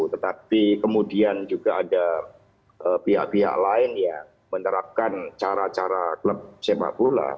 tetapi kemudian juga ada pihak pihak lain yang menerapkan cara cara klub sepak bola